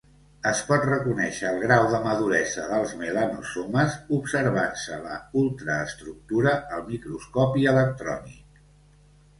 Es pot reconèixer el grau de maduresa dels melanosomes observant-se la ultraestructura al microscopi electrònic.